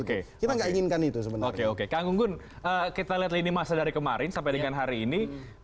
kita enggak inginkan itu sebenarnya kita lihat ini masa dari kemarin sampai dengan hari ini